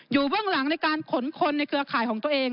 เบื้องหลังในการขนคนในเครือข่ายของตัวเอง